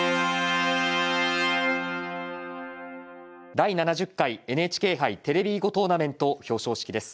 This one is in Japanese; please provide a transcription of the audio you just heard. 「第７０回ＮＨＫ杯テレビ囲碁トーナメント」表彰式です。